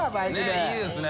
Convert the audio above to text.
いいですね。